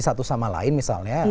satu sama lain misalnya